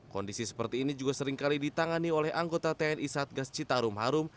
kondisi seperti ini juga seringkali ditangani oleh anggota tni satgas citarum harum